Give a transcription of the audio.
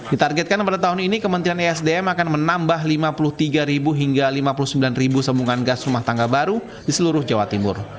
ditargetkan pada tahun ini kementerian esdm akan menambah lima puluh tiga hingga lima puluh sembilan sambungan gas rumah tangga baru di seluruh jawa timur